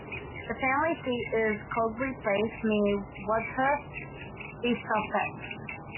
The family seat is Cousley Place, near Wadhurst, East Sussex.